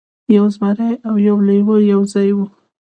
یو زمری او یو لیوه یو ځای وو.